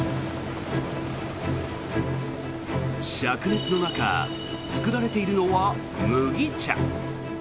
しゃく熱の中作られているのは麦茶。